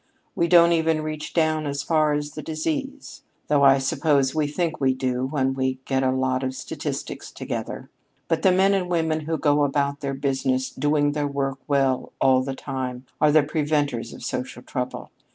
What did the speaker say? We don't even reach down as far as the disease though I suppose we think we do when we get a lot of statistics together. But the men and women who go about their business, doing their work well all of the time, are the preventers of social trouble.